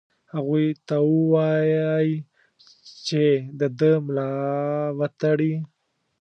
هغوی ته ووايی چې د ده ملا وتړي.